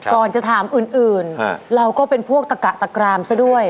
ก่อนจะถามอื่นเราก็เป็นพวกตะกะตะกรามซะด้วย